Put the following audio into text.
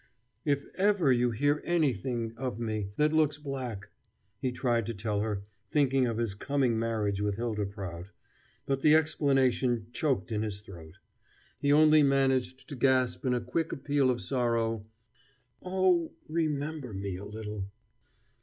"If ever you hear anything of me that looks black " he tried to tell her, thinking of his coming marriage with Hylda Prout, but the explanation choked in his throat; he only managed to gasp in a quick appeal of sorrow: "Oh, remember me a little!"